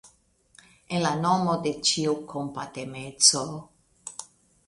En la nomo de ĉiu kompatemeco!